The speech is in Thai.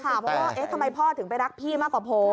เพราะว่าทำไมพ่อถึงไปรักพี่มากกว่าผม